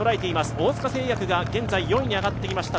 大塚製薬が現在、４位に上がってきました。